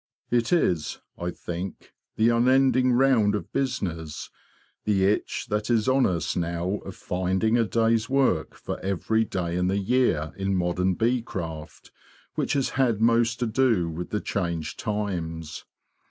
It is, I think, the unending round of business—the itch that is on us now of finding a day's work for every day in the year in modern bee craft—which has had most to do with the changed times.